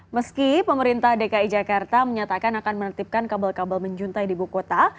meski pemerintah dki jakarta menyatakan akan menertibkan kabel kabel menjuntai di buku kota